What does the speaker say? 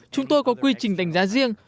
chúng tôi có quy trình đánh giá riêng